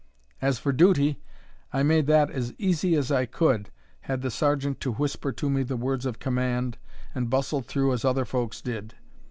As for duty, I made that as easy as I could, had the sergeant to whisper to me the words of command, and bustled through as other folks did.